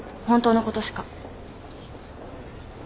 本当のことしか。